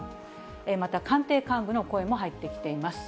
また官邸幹部の声も入ってきています。